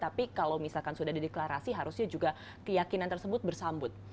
tapi kalau misalkan sudah dideklarasi harusnya juga keyakinan tersebut bersambut